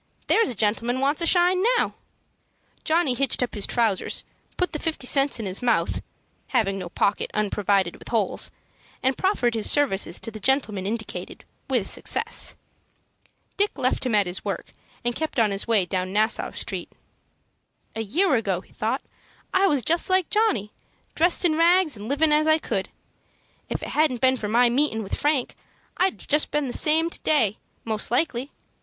There's a gentleman wants a shine now." Johnny hitched up his trousers, put the fifty cents in his mouth, having no pocket unprovided with holes, and proffered his services to the gentleman indicated, with success. Dick left him at work, and kept on his way down Nassau Street. "A year ago," he thought, "I was just like Johnny, dressed in rags, and livin' as I could. If it hadn't been for my meetin' with Frank, I'd been just the same to day, most likely.